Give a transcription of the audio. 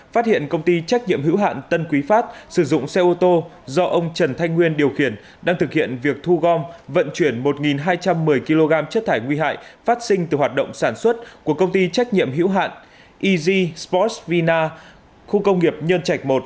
phát hiện công ty trách nhiệm hữu hạn tân quý phát sử dụng xe ô tô do ông trần thanh nguyên điều khiển đang thực hiện việc thu gom vận chuyển một hai trăm một mươi kg chất thải nguy hại phát sinh từ hoạt động sản xuất của công ty trách nhiệm hữu hạn eas post vina khu công nghiệp nhân trạch một